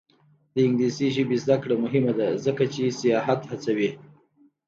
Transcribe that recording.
د انګلیسي ژبې زده کړه مهمه ده ځکه چې سیاحت هڅوي.